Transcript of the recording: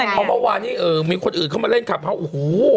เพราะเมื่อวานนี้มีคนอื่นเข้ามาเล่นคลับเฮาสโอ้โห